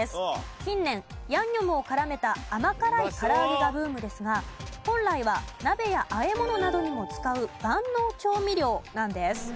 近年ヤンニョムを絡めた甘辛い唐揚げがブームですが本来は鍋や和え物などにも使う万能調味料なんです。